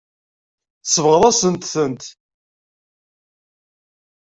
Tsebɣeḍ-asent-tent.